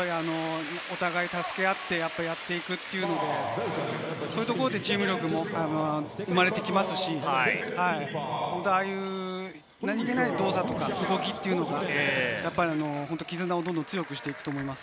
お互い、助け合ってやっていくというので、そういうところでチーム力も生まれてきますし、何気ない動作とか動きは絆をどんどんと強くしていくと思います。